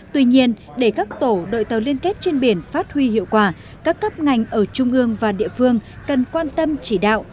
tuy nhiên để các tổ đội tàu liên kết trên biển phát huy hiệu quả các cấp ngành ở trung ương và địa phương cần quan tâm chỉ đạo